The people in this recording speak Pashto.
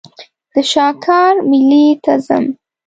د شاکار مېلې ته ځم.